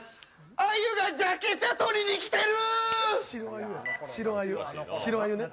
あゆがジャケ写撮りに来てる。